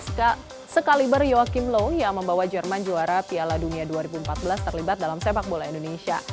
sekaliber yo kimlo yang membawa jerman juara piala dunia dua ribu empat belas terlibat dalam sepak bola indonesia